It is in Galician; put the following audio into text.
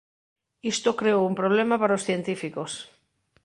Isto creou un problema para os científicos.